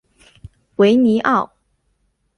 维尼奥。